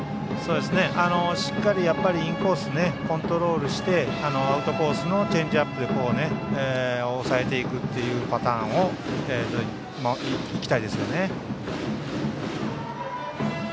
しっかり、インコースにコントロールしてアウトコースのチェンジアップで抑えていくパターンでいきたいですね。